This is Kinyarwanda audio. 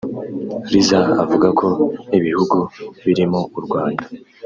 Liza avuga ko ibihugu birimo u Rwanda